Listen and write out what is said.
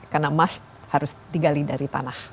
karena emas harus digali dari tanah